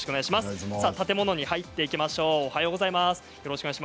建物に入っていきましょう。